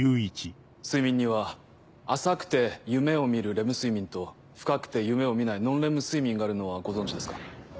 睡眠には浅くて夢を見るレム睡眠と深くて夢を見ないノンレム睡眠があるのはご存じですか？